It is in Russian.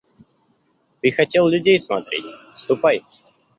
Ты хотел людей смотреть, ступай.